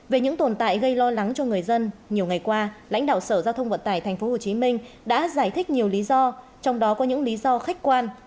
về những tồn tại gây lo lắng cho người dân nhiều ngày qua lãnh đạo sở giao thông vận tải tp hcm đã giải thích nhiều lý do trong đó có những lý do khách quan